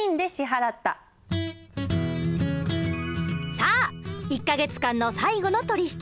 さあ１か月間の最後の取引。